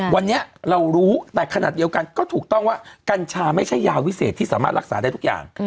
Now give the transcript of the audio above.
วันนี้เรารู้แต่ขนาดเดียวกันก็ถูกต้องว่ากัญชาไม่ใช่ยาวิเศษที่สามารถรักษาได้ทุกอย่าง